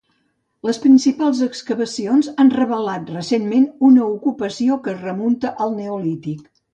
Les principals excavacions han revelat recentment una ocupació que es remunta al Neolític.